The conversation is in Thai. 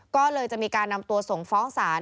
ก็เลยจะมีการนำตัวส่งฟ้องศาล